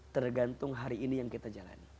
tergantung hari ini yang kita jalani